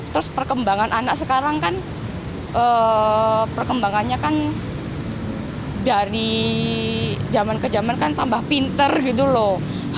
terus perkembangan anak sekarang kan perkembangannya kan dari zaman ke zaman kan tambah pinter gitu loh